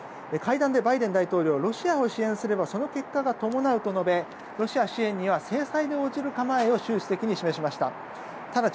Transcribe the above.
会談でバイデン大統領ロシアを支援すればその結果が伴うと述べロシア支援には制裁を応じる構えを習主席に示しました。